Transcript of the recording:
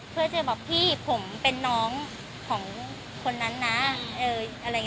เพื่อจะบอกพี่ผมเป็นน้องของคนนั้นนะอะไรอย่างนี้